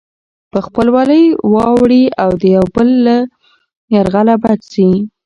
په خپلوۍ واوړي او د يو بل له يرغله بچ شي.